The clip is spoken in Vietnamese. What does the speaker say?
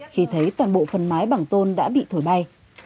khi thấy toàn bộ phần mái bằng tôn đã bị thổi bay